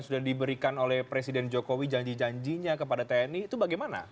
dan jokowi janji janjinya kepada tni itu bagaimana